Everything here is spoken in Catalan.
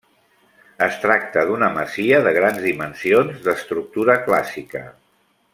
Es tracta d'una masia de grans dimensions d'estructura clàssica.